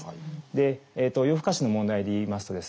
で夜更かしの問題で言いますとですね